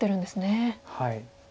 はい。